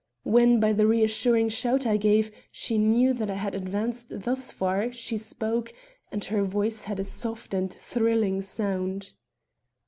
When, by the reassuring shout I gave, she knew that I had advanced thus far, she spoke, and her voice had a soft and thrilling sound.